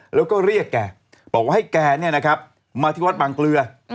แล้วก็เรียกแกบอกว่าให้แกมาที่วัดบางเกลือ